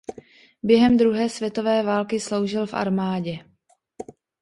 Během druhé světové války sloužil v armádě.